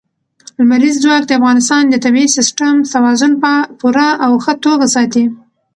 لمریز ځواک د افغانستان د طبعي سیسټم توازن په پوره او ښه توګه ساتي.